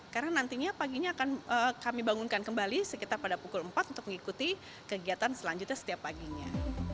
karena nantinya paginya akan kami bangunkan kembali sekitar pada pukul empat untuk mengikuti kegiatan selanjutnya setiap paginya